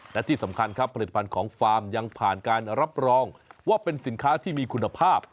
และที่สำคัญครับผลิตภัณฑ์ของฟาร์มยังผ่านการรับรองว่าเป็นสินค้าที่มีคุณภาพ